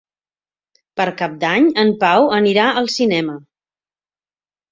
Per Cap d'Any en Pau anirà al cinema.